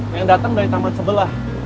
yang datang dari taman sebelah